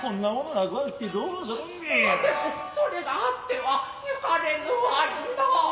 でもそれがあっては行かれぬわいなあ。